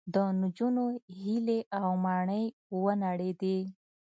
د نجونو هیلې او ماڼۍ ونړېدې